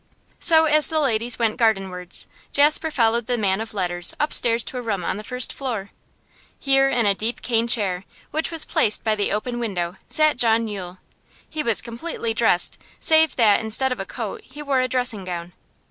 So, as the ladies went gardenwards, Jasper followed the man of letters upstairs to a room on the first floor. Here, in a deep cane chair, which was placed by the open window, sat John Yule. He was completely dressed, save that instead of coat he wore a dressing gown.